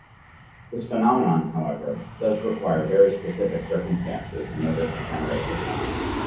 This phenomenon however, does require very specific circumstances in order to generate the sound.